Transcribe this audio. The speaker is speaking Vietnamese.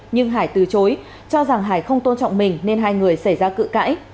nhưng hải từ chối cho rằng hải không tôn trọng mình nên hai người xảy ra cự cãi